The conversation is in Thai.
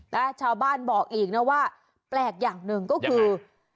และชาวบ้านบอกอีกนะว่าแปลกอย่างหนึ่งก็คือ